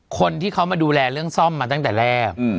คนที่เขามาดูแลเรื่องซ่อมมาตั้งแต่แรก